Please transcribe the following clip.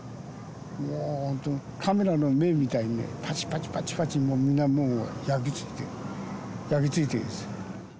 もう本当、カメラの目みたいにね、ぱちぱちぱちぱち、もう皆、目に焼き付いて、焼きついてる。